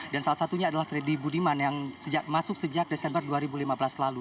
dan salah satunya adalah freddy budiman yang masuk sejak desember dua ribu lima belas lalu